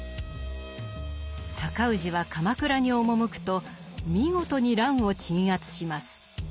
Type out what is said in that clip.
尊氏は鎌倉に赴くと見事に乱を鎮圧します。